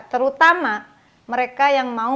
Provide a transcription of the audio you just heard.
terutama mereka yang mau